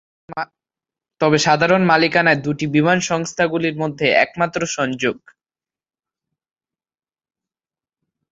তবে, সাধারণ মালিকানায় দুটি বিমান সংস্থাগুলির মধ্যে একমাত্র সংযোগ।